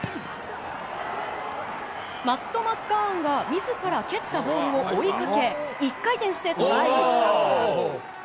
マット・マッガーンが、みずから蹴ったボールを追いかけ、１回転してトライ。